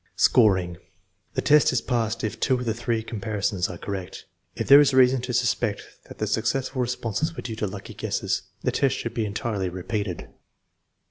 Scoring. The test is passed if two of the three comparisons are correct. If there is reason to suspect that the successful responses were due to lucky guesses, the test should be en tirely repeated.